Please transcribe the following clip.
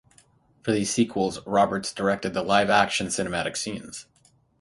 For these sequels, Roberts directed the live-action cinematic scenes.